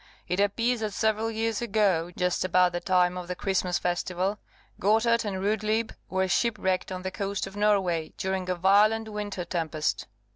It appears that several years ago, just about the time of the Christmas festival, Gotthard and Rudlieb were shipwrecked on the coast of Norway, during a violent winter tempest.